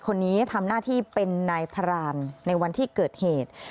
คนนี้ทำหน้าที่เป็นนายพรานในวันที่เกิดเหตุ